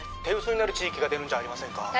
手薄になる地域が出るんじゃありませんか？